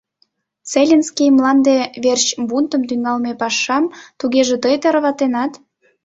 — Целинский мланде верч бунтым тӱҥалме пашам тугеже тый тарватенат?